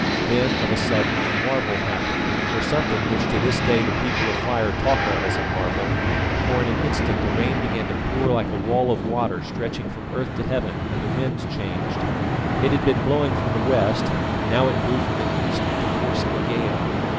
Then of a sudden a marvel happened, or something which to this day the People of Fire talk of as a marvel, for in an instant the rain began to pour like a wall of water stretching from earth to heaven, and the wind changed. It had been blowing from the west, now it blew from the east with the force of a gale.